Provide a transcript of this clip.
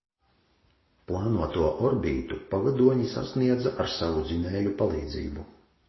Plānoto orbītu pavadoņi sasniedza ar savu dzinēju palīdzību.